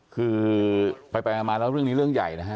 คือไปมาแล้วเรื่องนี้เรื่องใหญ่นะฮะ